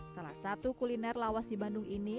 salah satu kuliner lawas di bandung ini